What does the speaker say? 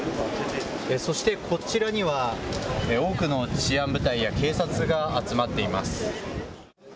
そしてこちらには多くの治安部隊や警察が集まっています。